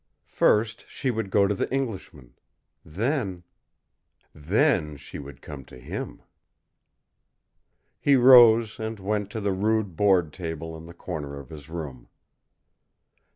First she would go to the Englishman, then then she would come to him! He rose and went to the rude board table in the corner of his room.